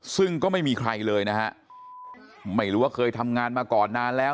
ซึ่งก็ไม่มีใครเลยนะฮะไม่รู้ว่าเคยทำงานมาก่อนนานแล้ว